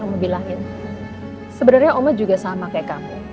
mama bilangin sebenarnya mama juga sama kayak kamu